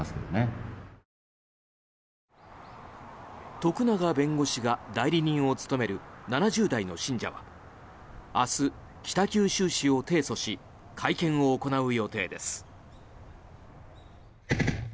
徳永弁護士が代理人を務める７０代の信者は明日、北九州市を提訴し会見を行う予定です。